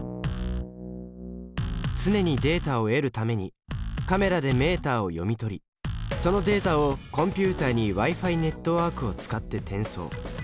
常にデータを得るためにカメラでメータを読み取りそのデータをコンピュータにＷｉ−Ｆｉネットワークを使って転送。